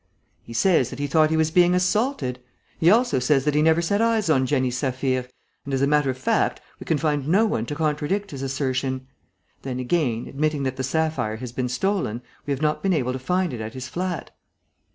"He says that he thought he was being assaulted. He also says that he never set eyes on Jenny Saphir; and, as a matter of fact, we can find no one to contradict his assertion. Then again, admitting that the sapphire has been stolen, we have not been able to find it at his flat."